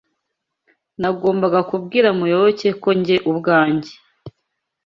Nagombaga kubwira Muyoboke ko njye ubwanjye.